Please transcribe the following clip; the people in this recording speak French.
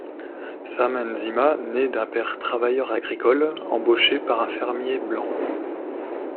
Sam Nzima naît d'un père travailleur agricole embauché par un fermier blanc.